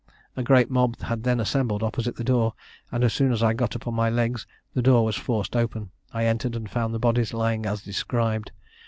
A great mob had then assembled opposite the door; and as soon as I got upon my legs the door was forced open: I entered, and found the bodies lying as described.